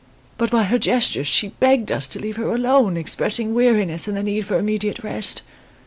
But by her gestures she begged us to leave her alone, expressing weariness and the need for immediate rest.